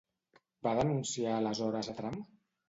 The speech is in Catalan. Va denunciar aleshores a Trump?